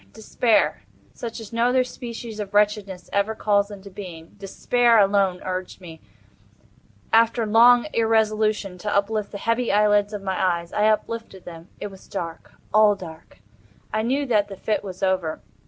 Despair—such as no other species of wretchedness ever calls into being—despair alone urged me, after long irresolution, to uplift the heavy lids of my eyes. I uplifted them. It was dark—all dark. I knew that the fit was over.